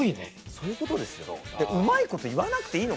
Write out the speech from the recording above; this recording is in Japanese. そういう事ですよ。